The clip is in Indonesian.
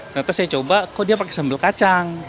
ternyata saya coba kok dia pakai sambal kacang